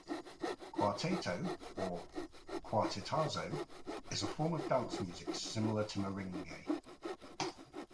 Cuarteto, or Cuartetazo, is a form of dance music similar to Merengue.